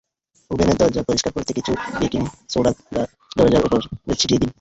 ওভেনের দরজা পরিষ্কার করতে কিছু বেকিং সোডা দরজার ওপরে ছিটিয়ে দিন।